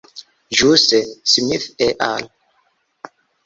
Ĵuse Smith et al.